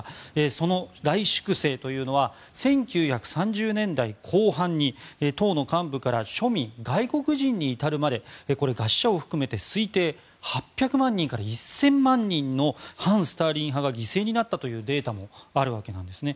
その大粛清というのは１９３０年代後半に党の幹部から庶民外国人に至るまで餓死者を含めて推定８００万人から１０００万人の反スターリン派が犠牲になったというデータがあるわけなんですね。